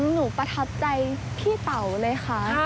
ประทับใจพี่เต๋าเลยค่ะ